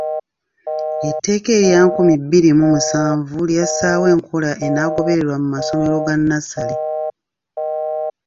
Etteeka erya nkumi bbiri mu musanvu lyassaawo enkola enaagobererwa mu masomero ga nnassale.